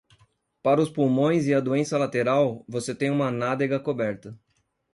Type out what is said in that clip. Para os pulmões e a doença lateral, você tem uma nádega coberta.